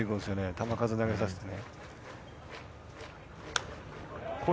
球数投げさせてね。